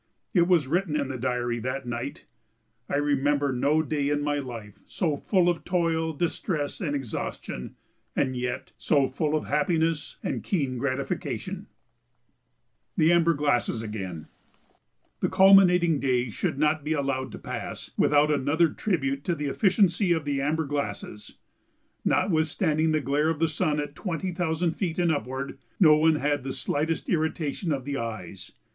It was written in the diary that night: "I remember no day in my life so full of toil, distress, and exhaustion, and yet so full of happiness and keen gratification." [Sidenote: The Amber Glasses Again] The culminating day should not be allowed to pass without another tribute to the efficiency of the amber glasses. Notwithstanding the glare of the sun at twenty thousand feet and upward, no one had the slightest irritation of the eyes.